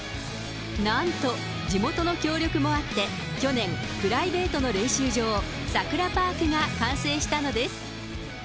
なんと地元の協力もあって、去年、プライベートの練習場、サクラパークが完成したのです。